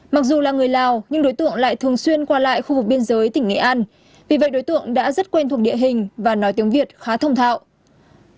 mặc dù là người lào nhưng đối tượng lại thường xuyên qua lại khu vực biên giới tỉnh nghệ an vì vậy đối tượng đã rất quen thuộc địa hình và nói tiếng việt khá thông thạo